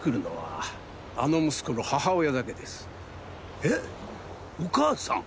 えっお母さん？